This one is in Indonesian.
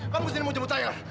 kamu kesini mau jemput saya kan